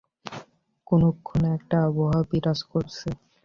কুলক্ষণে একটা আবহাওয়া বিরাজ করছে।